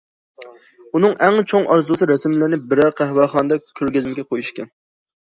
ئۇنىڭ ئەڭ چوڭ ئارزۇسى رەسىملىرىنى بىرەر قەھۋەخانىدا كۆرگەزمىگە قويۇش ئىكەن.